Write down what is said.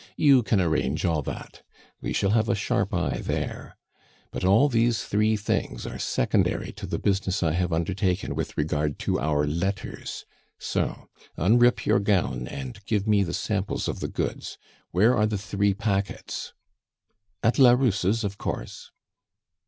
You can arrange all that. We shall have a sharp eye there. But all these three things are secondary to the business I have undertaken with regard to our letters. So unrip your gown and give me the samples of the goods. Where are the three packets?" "At la Rousse's, of course."